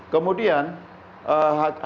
kemudian hakim juga mengacau